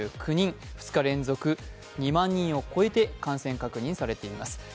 ２日連続２万人を超えて感染確認されています。